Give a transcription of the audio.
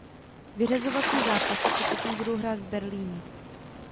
Vyřazovací zápasy se potom budou hrát v Berlíně.